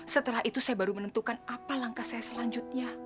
setelah itu saya baru menentukan apa langkah saya selanjutnya